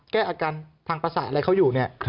แก้อาการทางประสาทอะไรเขาอยู่เนี่ย